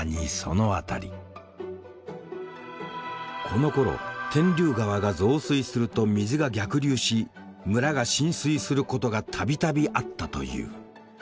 このころ天竜川が増水すると水が逆流し村が浸水することが度々あったという。